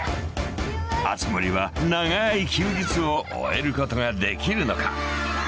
［熱護は長い休日を終えることができるのか？］